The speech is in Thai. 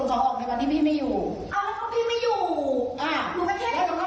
แล้วหนูทำแบบนี้หนูทำได้เหรอหนูขนของออกในวันที่พี่ไม่อยู่